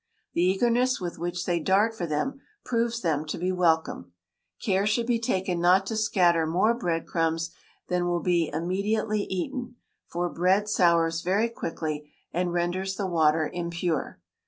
The eagerness with which they dart for them proves them to be welcome. Care should be taken not to scatter more bread crumbs than will be immediately eaten, for bread sours very quickly, and renders the water impure.